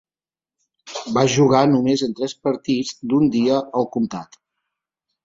Va jugar només en tres partits d'un dia al comtat.